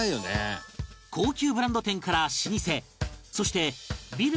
高級ブランド店から老舗そしてビルも密集する